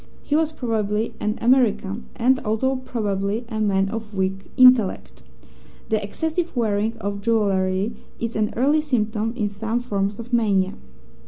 He was probably an American, and also probably a man of weak intellect. The excessive wearing of jewellery is an early symptom in some forms of mania.